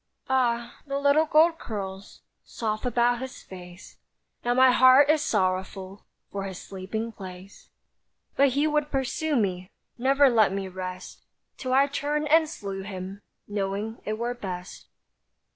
Ah! the little gold curls Soft about his face; Now my heart is sorrowful For his sleeping place. But he would pursue me, Never let me rest; Till I turned and slew him, Knowing it were best.